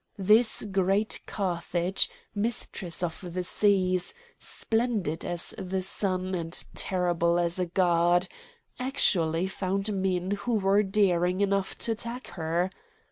This great Carthage, mistress of the seas, splendid as the sun, and terrible as a god, actually found men who were daring enough to attack her!